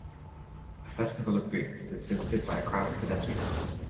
A festival of booths is visited by a crowd of pedestrians.